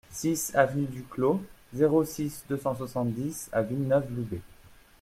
six avenue du Clos, zéro six, deux cent soixante-dix à Villeneuve-Loubet